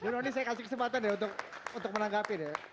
dan ini saya kasih kesempatan ya untuk menanggapi ya